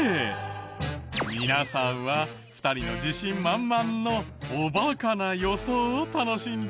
皆さんは２人の自信満々のおバカな予想を楽しんで。